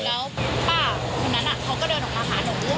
แล้วป้าคนนั้นเขาก็เดินออกมาหาหนู